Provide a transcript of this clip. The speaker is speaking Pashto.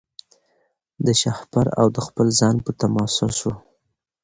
د شهپر او د خپل ځان په تماشا سو